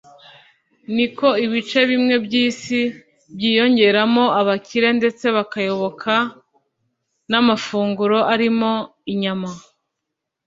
Niko ibice bimwe by'isi byiyongeramo abakire ndetse bakayoboka n'amafunguro arimo inyama.